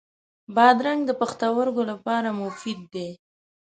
بادرنګ د پښتورګو لپاره مفید دی.